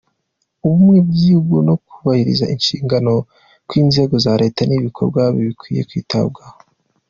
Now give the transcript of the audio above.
Ubumwe bw’igihugu no kubahiriza inshingano kw’inzego za Leta ni ibikorwa bikwiye kwitabwaho.”